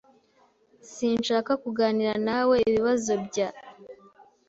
Sinshaka kuganira nawe ibibazo bya .